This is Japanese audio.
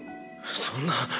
そんな。